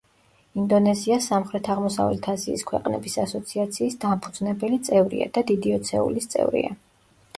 ინდონეზია სამხრეთ-აღმოსავლეთ აზიის ქვეყნების ასოციაციის დამფუძნებელი წევრია და დიდი ოცეულის წევრია.